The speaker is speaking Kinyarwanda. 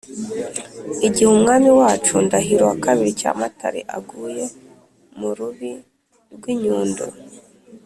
igihe umwami wacu ndahiro ii cyamatare aguye mu rubi rw’ inyundo,